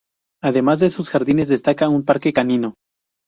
Además de sus jardines, destacada un parque canino.